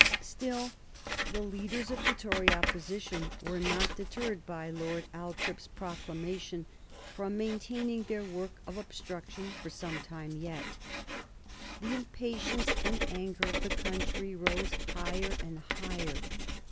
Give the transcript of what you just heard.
Still, the leaders of the Tory Opposition were not deterred by Lord Althorp's proclamation from maintaining their work of obstruction for some time yet. The impatience and anger of the country rose higher and higher.